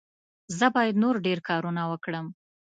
زه باید نور ډېر کارونه وکړم.